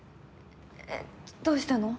えどうしたの？